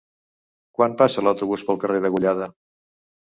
Quan passa l'autobús pel carrer Degollada?